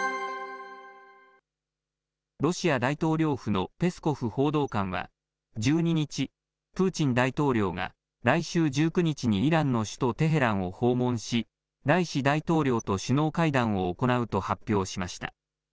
ロシア大統領府のペスコフ報道官は１２日、プーチン大統領が来週１９日にイランの首都テヘランを訪問し、ライシ大統領と首脳会談を行うと発表しました。